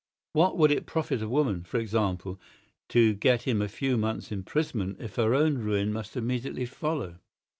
What would it profit a woman, for example, to get him a few months' imprisonment if her own ruin must immediately follow?